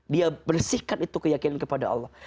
dia bersihkan itu keyakinan kepada allah